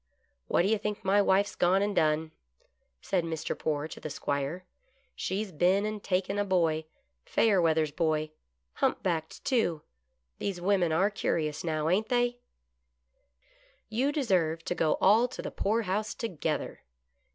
" What do you think my wife's gone and done ?" said Mr. Poore to the 'Squire. " She's been and taken a boy — Fayerweather's boy — humpbacked, too. These women are curious now, ain't they "" You deserve to go all to the poorhouse together."